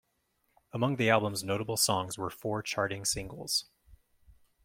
Among the album's notable songs were four charting singles.